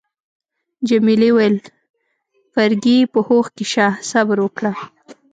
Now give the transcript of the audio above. جميلې وويل: فرګي، په هوښ کي شه، صبر وکړه.